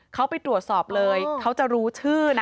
เขาไปตรวจสอบเลยเขาจะรู้ชื่อนะ